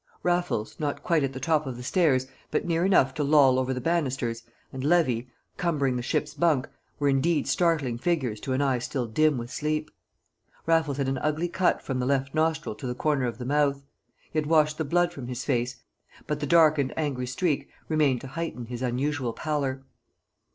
Raffles, not quite at the top of the stairs, but near enough to loll over the banisters, and Levy, cumbering the ship's bunk, were indeed startling figures to an eye still dim with sleep. Raffles had an ugly cut from the left nostril to the corner of the mouth; he had washed the blood from his face, but the dark and angry streak remained to heighten his unusual pallor.